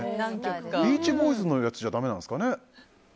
「ビーチボーイズ」のやつじゃだめなんですかね？